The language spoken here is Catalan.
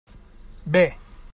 Bé.